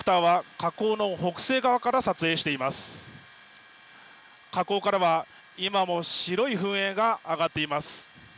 火口からは今も白い噴煙が上がっています。